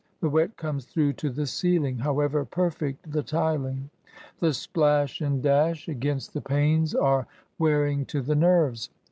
The wet comes through to the ceiling, however perfect the tiling. The splash and dash NATURE TO THE INVALID. 53 against the panes are wearing to the nerves.